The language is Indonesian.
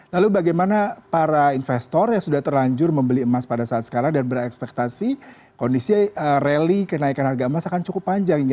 lalu bagaimana para investor yang sudah terlanjur membeli emas pada saat sekarang dan berekspektasi kondisi rally kenaikan harga emas akan cukup panjang hingga dua ribu dua puluh empat